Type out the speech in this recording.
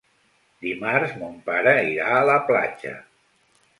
Dimarts mon pare irà a la platja.